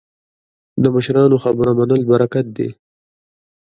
د مشرانو خبره منل برکت دی